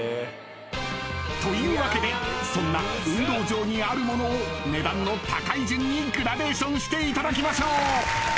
というわけでそんな運動場にあるものを値段の高い順にグラデーションしていただきましょう］